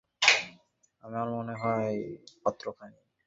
আমার মনে হয়, এ পত্রখানি তুমি চিকাগোয় পাবে।